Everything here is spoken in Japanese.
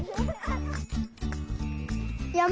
やま？